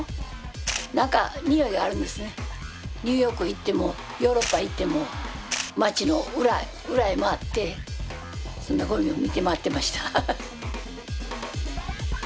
ニューヨーク行ってもヨーロッパ行っても街の裏へ回ってそんなゴミを見て回ってました。